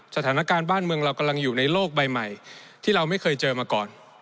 สถานการณ์บ้านเมืองเรากำลังอยู่ในโลกใบใหม่ที่เราไม่เคยเจอมาก่อน